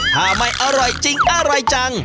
ถ้าไม่อร่อยจริงอร่อยจัง